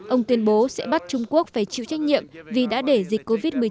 ông tuyên bố sẽ bắt trung quốc phải chịu trách nhiệm vì đã để dịch covid một mươi chín